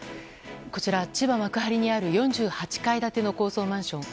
こちら、千葉・幕張にある４８階建ての高層マンション。